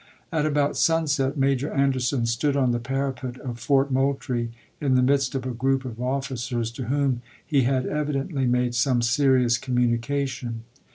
At about sunset, Major Anderson stood on the parapet of Fort Moultrie, in the midst of a group of officers, to whom he had evidently made some serious communication.